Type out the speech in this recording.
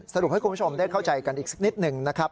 สรุปให้คุณผู้ชมได้เข้าใจกันอีกสักนิดหนึ่งนะครับ